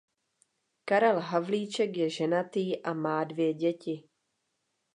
Karel Havlíček je ženatý a má dvě děti.